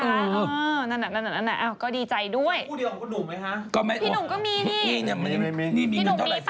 อ๋ออย่าขัดใจแม่นี่เห็นไหมนี่